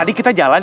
disiku aja ya